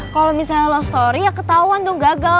kalo misalnya loh story ya ketauan dong gagal